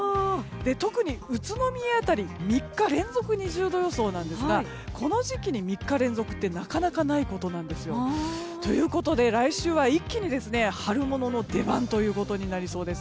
特に、宇都宮辺りは３日連続で２０度予想なんですがこの時期に３日連続ってなかなかないことなんですよ。ということで、来週は一気に春物の出番になりそうです。